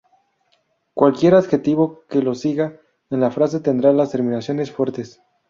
Cualquier adjetivo que los siga en la frase tendrá las terminaciones fuertes.